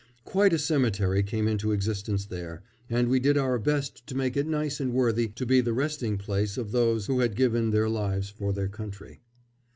Quite a cemetery came into existence there, and we did our best to make it nice and worthy to be the resting place of those who had given their lives for their country.